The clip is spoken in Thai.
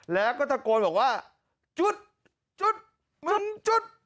แล้วก็ตะโกนบอกว่าจุดจุดมึงจุด